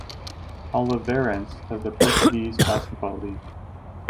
Oliveirense of the Portuguese Basketball League.